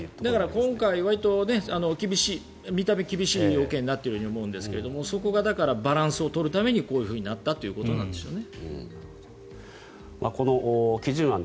今回、わりと見た目厳しい要件になっていると思うんですがそこがバランスを取るためにこうなったということなんでしょうね。